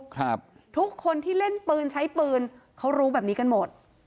ทุกคนที่เล่นปืนใช้ปืนเขารู้แบบนี้กันหมด